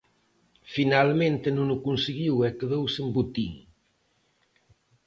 Finalmente non o conseguiu e quedou sen botín.